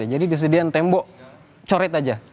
jadi di sedian tembok coret aja